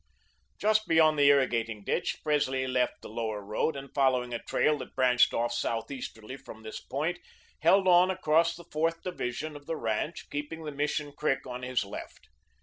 Just beyond the irrigating ditch, Presley left the Lower Road, and following a trail that branched off southeasterly from this point, held on across the Fourth Division of the ranch, keeping the Mission Creek on his left.